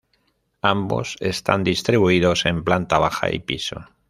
Ambos están distribuidos en planta baja y piso.